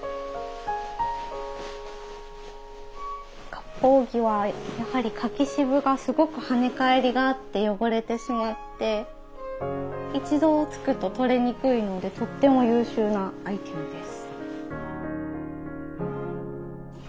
かっぽう着はやはり柿渋がすごく跳ね返りがあって汚れてしまって一度つくと取れにくいのでとっても優秀なアイテムです。